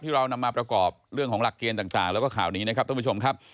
เรานำมาประกอบเรื่องของหลักเกณฑ์ต่างแล้วก็ข่าวนี้นะครับท่านผู้ชมครับ